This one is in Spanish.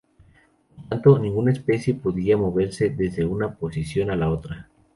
Por tanto, ninguna especie podía moverse desde una posición a la otra.